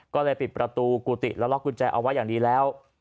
ก็เลยปิดประตูกุฏิแล้วล็อกกุญแจเอาไว้อย่างดีแล้ว